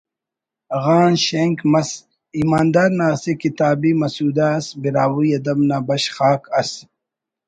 غان شینک مس ایماندار نا اسہ کتابی مسودہ اس ”براہوئی ادب نا بشخ آک“ ئس